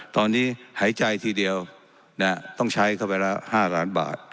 ตอนนี้หายใจทีเดียวต้องใช้เข้าไปละ๕ล้านบาท